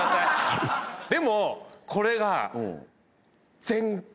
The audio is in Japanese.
でもこれが。